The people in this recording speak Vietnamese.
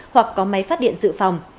hoặc có máy phát điện dự phòng